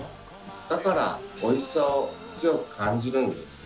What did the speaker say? だからおいしさを強く感じるんです。